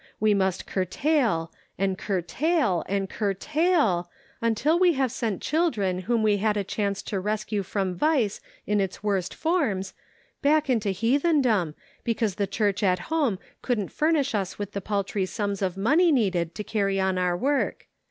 We must curtail, and curtail and CURTAIL, until we have sent children whom we had a chance to res cue from vice in its worst forms, back into heathendom, because the church at home couldn't furnish us with the paltry sums of money needed to carry on our work.